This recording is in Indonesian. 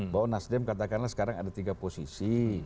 bahwa nasdem katakanlah sekarang ada tiga posisi